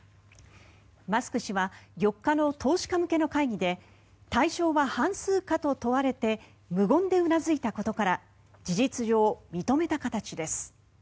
マスク氏は４日の投資家向けの会議で対象は半数かと問われて無言でうなずいたことから事実上、認めた形です。